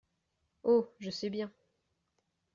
Oh ! je sais bien !